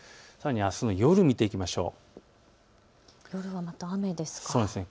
あすの夜を見ていきましょう。